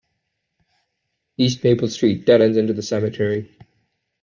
East Maple Street dead-ends into the cemetery.